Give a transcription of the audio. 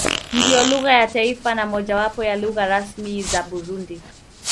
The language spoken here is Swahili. Ndiyo lugha ya taifa na mojawapo ya lugha rasmi za Burundi.